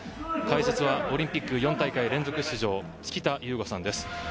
解説はオリンピック４大会連続出場の附田雄剛さんです。